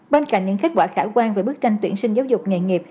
bên cạnh những kết quả khả quan về bức tranh tuyển sinh giáo dục nghề nghiệp